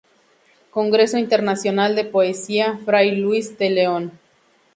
Congreso internacional de poesía Fray Luis de León".